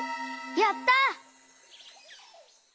やった！